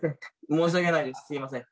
申し訳ないですすいません。